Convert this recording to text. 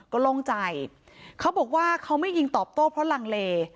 ก็โล่งใจเขาบอกว่าเขาไม่ยิงตอบโต้เพราะลังเล